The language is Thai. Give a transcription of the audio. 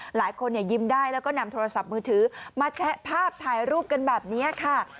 หลายคนยิ้มได้แล้วก็นำโทรศัพท์มือถือมาแชะภาพถ่ายรูปกันแบบนี้ค่ะ